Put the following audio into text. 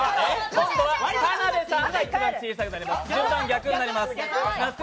今度は田辺さんが一番小さい順番逆になります。